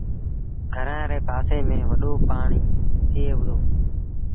گھرآݩ ري پآسي ميݩ وڏو پآڻيٚ ٿئي وُهڙو۔